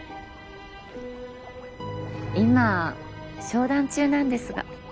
今商談中なんですが。